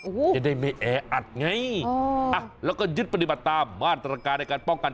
โอ้โหจะได้ไม่แออัดไงอ่ะแล้วก็ยึดปฏิบัติตามมาตรการในการป้องกัน